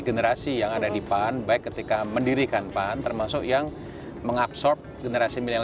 generasi yang ada di pan baik ketika mendirikan pan termasuk yang mengabsorb generasi milenial